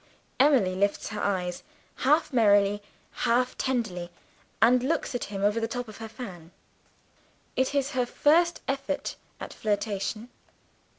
Emily lifts her eyes, half merrily, half tenderly, and looks at him over the top of her fan. It is her first effort at flirtation.